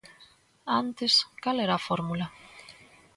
Antes, ¿cal era a fórmula?